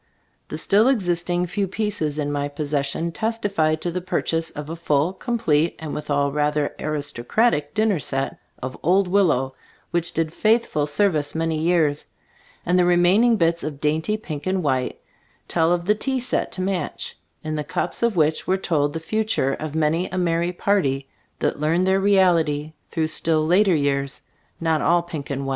The still existing few pieces in my possession testify to the purchase of a full, com plete and withal rather aristocratic dinner set of "Old Willow," which did faithful service many years; and the remaining bits of dainty pink and white, tell of the tea set to match, in the cups of which were told the fu ture of many a merry party that learned their reality through still later years, not all pink and white.